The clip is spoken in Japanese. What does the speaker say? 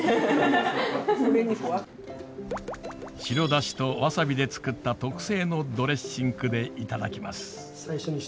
白だしとわさびで作った特製のドレッシングで頂きます。